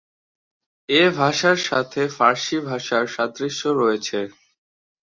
এ ভাষার সাথে ফার্সি ভাষার সাদৃশ্য রয়েছে।